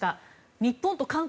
日本と韓国